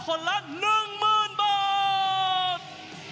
ส่วนละ๑๐๐๐๐บาท